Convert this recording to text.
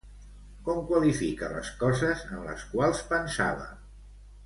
Com qualifica les coses en les quals pensava?